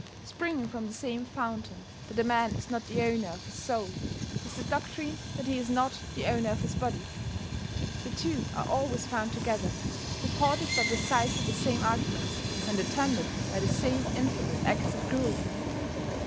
Springing from the same fountain, that a man is not the owner of his soul, is the doctrine that he is not the owner of his body. The two are always found together, supported by precisely the same arguments, and attended by the same infamous acts of cruelty.